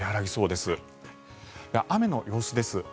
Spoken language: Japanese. では、雨の様子です。